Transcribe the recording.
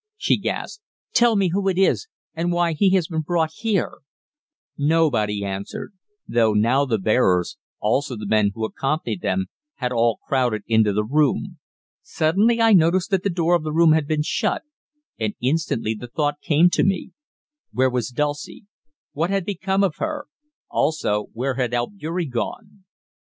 she gasped. "Tell me who it is, and why he has been brought here!" Nobody answered, though now the bearers, also the men who accompanied them, had all crowded into the room. Suddenly I noticed that the door of the room had been shut, and instantly the thought came to me Where was Dulcie? What had become of her? Also where had Albeury gone?